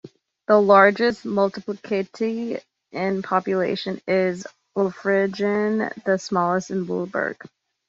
The largest municipality in population is Oftringen, the smallest is Wiliberg.